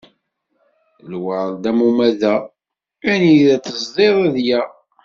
Lweṛd am umadaɣ, anida t-teẓẓiḍ ad yaɣ.